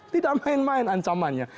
tidak main main ancamannya